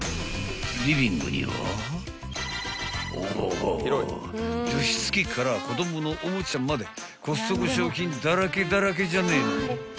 ［おうおう除湿器から子供のおもちゃまでコストコ商品だらけだらけじゃねえの］